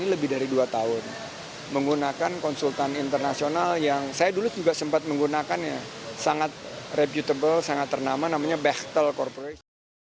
lrt pemerintah pemerintah jakarta